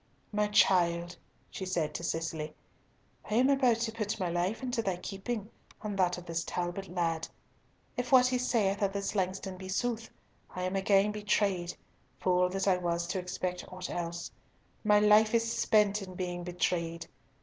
"My child," she said to Cicely, "I am about to put my life into thy keeping and that of this Talbot lad. If what he saith of this Langston be sooth, I am again betrayed, fool that I was to expect aught else. My life is spent in being betrayed.